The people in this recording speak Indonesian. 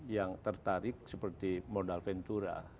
yang tertarik seperti modal ventura